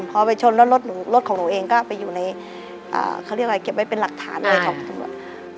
พอไปชนแล้วรถของหนูเองก็ไปอยู่ในเขาเรียกว่าเก็บไว้เป็นหลักฐานเลยของตำรวจ